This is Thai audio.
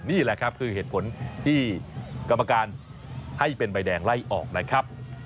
นี่แหละครับคือเหตุผลที่กรรมการให้เป็นใบแดงไล่ออกนะครับ